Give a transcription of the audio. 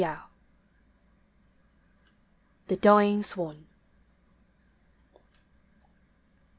323 THE DYING SWAN.